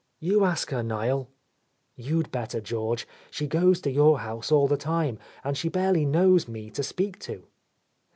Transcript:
"You ask her, Niel." "You'd better, George. She goes to your house all the time, and she barely knows me to speak to."